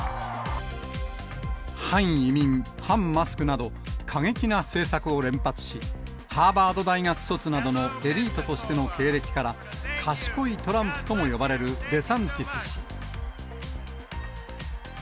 反移民、反マスクなど、過激な政策を連発し、ハーバード大学卒などのエリートとしての経歴から賢いトランプとも呼ばれるデサンティス氏。